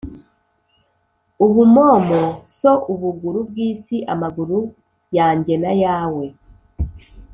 Ubumomo so ubuguru bw'isi.-Amaguru yanjye n'ayawe.